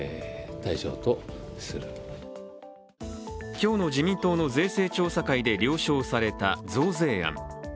今日の自民党の税制調査会で了承された増税案。